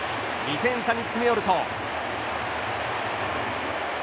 ２点差に詰め寄ると。